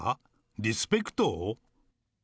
リスペクト？